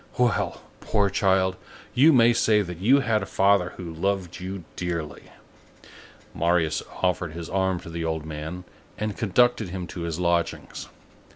Well! poor child, you may say that you had a father who loved you dearly!" Marius offered his arm to the old man and conducted him to his lodgings.